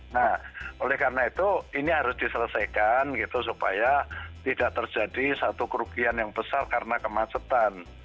nah oleh karena itu ini harus diselesaikan gitu supaya tidak terjadi satu kerugian yang besar karena kemacetan